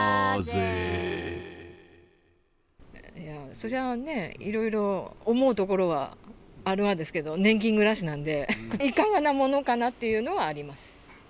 そりゃあね、いろいろ思うところはあるんですけど、年金暮らしなんで、いかがなものかなっていうのはあります。